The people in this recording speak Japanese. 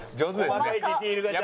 細かいディテールがちゃんと。